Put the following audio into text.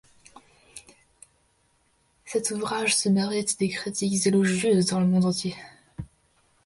Cet ouvrage se mérite des critiques élogieuses dans le monde entier.